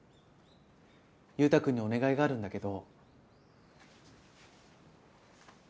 優太くんにお願いがあるんだけど。